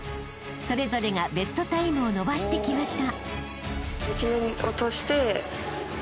それぞれがベストタイムを伸ばしてきました］